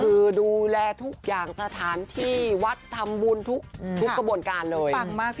คือดูแลทุกอย่างสถานที่วัดทำบุญทุกกระบวนการเลย